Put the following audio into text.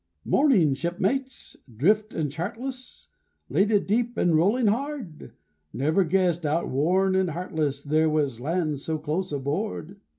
'Morning, shipmates! 'Drift and chartless? Laded deep and rolling hard? Never guessed, outworn and heartless, There was land so close aboard?